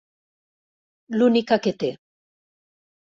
L'única que té.